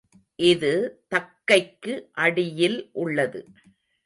இது தக்கைக்கு அடியில் உள்ளது.